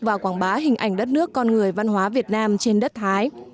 và quảng bá hình ảnh đất nước con người văn hóa việt nam trên đất thái